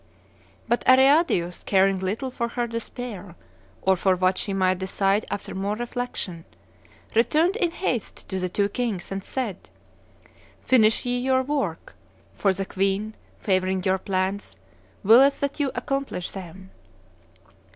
But Areadius, caring little for her despair or for what she might decide after more reflection, returned in haste to the two kings, and said, 'Finish ye your work, for the queen, favoring your plans, willeth that ye accomplish them.